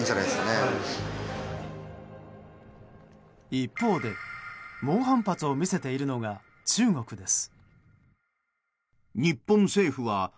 一方で、猛反発を見せているのが中国です。